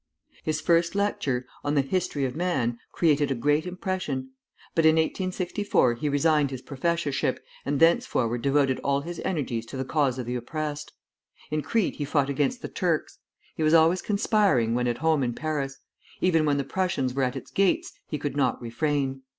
His first lecture, on the "History of Man," created a great impression; but in 1864 he resigned his professorship, and thenceforward devoted all his energies to the cause of the oppressed. In Crete he fought against the Turks. He was always conspiring when at home in Paris; even when the Prussians were at its gates, he could not refrain.